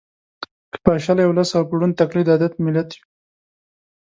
که پاشلی ولس او په ړوند تقلید عادت ملت یو